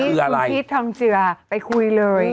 เรื่องนี้คุณพีชทองเจือไปคุยเลย